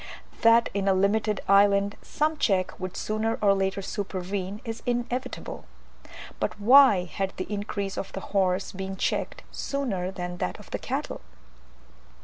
That in a limited island some check would sooner or later supervene, is inevitable; but why had the increase of the horse been checked sooner than that of the cattle?